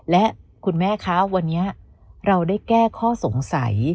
และคุณแม่คะวันนี้เราได้แก้ข้อสงสัย